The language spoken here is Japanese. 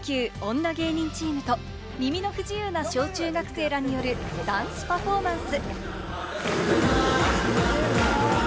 女芸人チームと耳の不自由な小・中学生らによるダンスパフォーマンス！